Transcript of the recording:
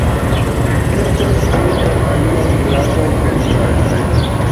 Estas ankaŭ aliaj gravaj pentraĵoj.